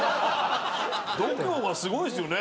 度胸がすごいですよね。